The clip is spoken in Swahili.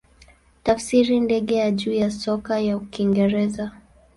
Tafsiri ndege ya juu ya soka ya Kiingereza.